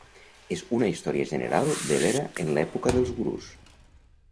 És una història general de l'era en l'època dels Gurus.